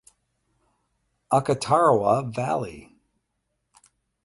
Akatarawa Valley